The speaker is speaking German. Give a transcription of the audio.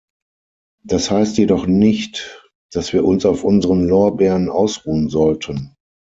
Das heißt jedoch nicht, dass wir uns auf unseren Lorbeeren ausruhen sollten.